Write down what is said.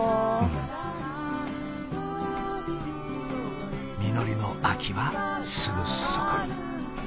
実りの秋はすぐそこに。